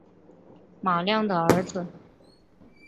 马亮的儿子